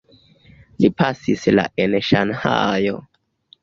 Li pasis la en Ŝanhajo.